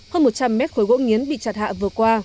hơn một trăm linh mét khối gỗ nghiến bị chặt hạ vừa qua